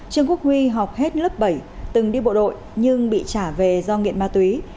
trương quốc huy học hết lớp bảy từng đi bộ đội nhưng bị trả về do nghiện ma túy